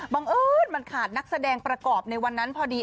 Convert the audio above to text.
บางทีมันขาดนักแสดงในวันนั้นพอดี